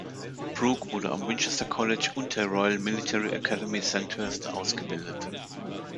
Brooke wurde am Winchester College und der Royal Military Academy Sandhurst ausgebildet.